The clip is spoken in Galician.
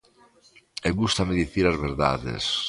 E gústame dicir as verdades.